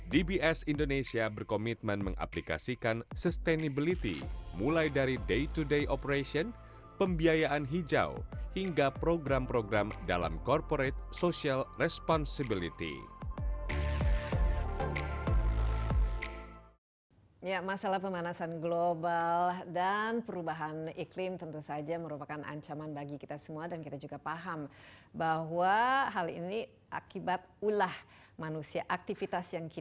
dbs indonesia berkomitmen mengaplikasikan ekonomi hijau untuk mengembangkan kemampuan ekonomi